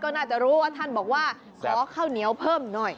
น่าจะรู้ว่าท่านบอกว่าขอข้าวเหนียวเพิ่มหน่อย